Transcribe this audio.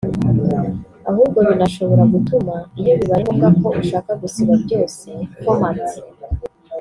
ahubwo binashobora gutuma iyo bibaye ngombwa ko ushaka gusiba byose “Format”